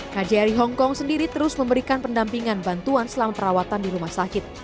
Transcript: kjri hongkong sendiri terus memberikan pendampingan bantuan selang perawatan di rumah sakit